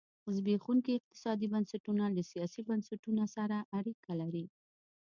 زبېښونکي اقتصادي بنسټونه له سیاسي بنسټونه سره اړیکه لري.